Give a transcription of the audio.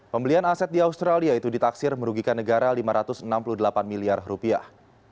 pembelian aset di australia itu ditaksir merugikan negara lima ratus enam puluh delapan miliar rupiah